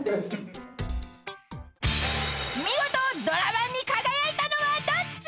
［見事ドラ−１に輝いたのはどっち？］